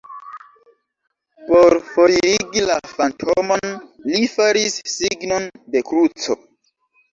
Por foririgi la fantomon, li faris signon de kruco.